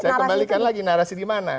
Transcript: saya kembali lagi narasi dimana